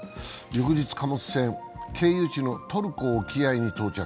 翌日、貨物船、経由地のトルコ沖合に到着。